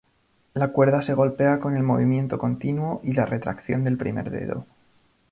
La cuerda se golpea con el movimiento continuo y la retracción del primer dedo.